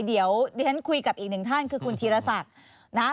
เดี๋ยวดิฉันคุยกับอีกหนึ่งท่านคือคุณธีรศักดิ์นะครับ